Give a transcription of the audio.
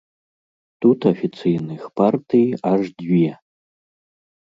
Тут афіцыйных партый аж дзве.